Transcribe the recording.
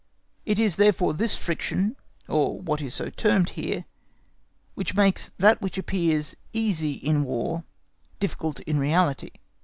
It is therefore this friction, or what is so termed here, which makes that which appears easy in War difficult in reality.